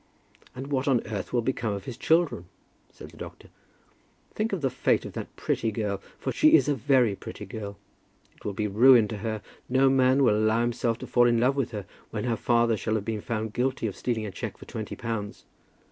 "And what on earth will become of his children?" said the doctor. "Think of the fate of that pretty girl; for she is a very pretty girl. It will be ruin to her. No man will allow himself to fall in love with her when her father shall have been found guilty of stealing a cheque for twenty pounds."